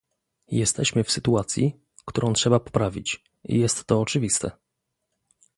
Jesteśmy w sytuacji, którą trzeba poprawić, jest to oczywiste